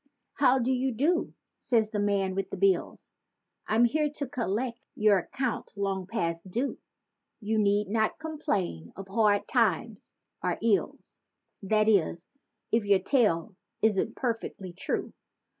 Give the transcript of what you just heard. "How do you do?" says the man with the "bills"— "I'm here to collect your account long past due!" You need not complain of hard times or your ills. That is, if your tale isn't perfectly true.